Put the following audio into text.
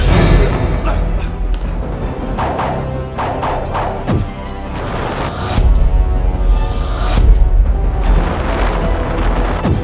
jangan lupa aku akan menang